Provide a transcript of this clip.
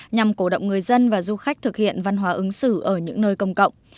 nhằm cổ động người dân và du khách thực hiện văn hóa ứng xử ở những nơi công cộng